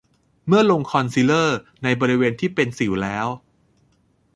เมื่อลงคอนซีลเลอร์ในบริเวณที่เป็นสิวแล้ว